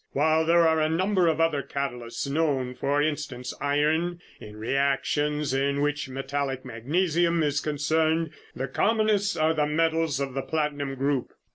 While there are a number of other catalysts known, for instance iron in reactions in which metallic magnesium is concerned, the commonest are the metals of the platinum group.